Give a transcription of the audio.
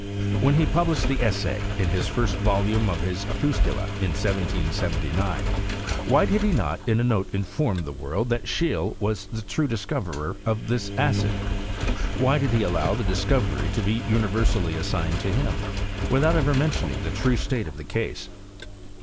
When he published the essay in the first volume of his Opuscula, in 1779, why did he not in anoteinforrathe world that Scheele was the true discoverer of this acid? Why did he allow the discovery to be universally assigned to him, without ever mentioning the true state of the case?